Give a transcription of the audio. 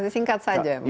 singkat saja mungkin